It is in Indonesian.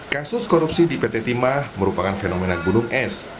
kasus korupsi di pt timah merupakan fenomena gunung es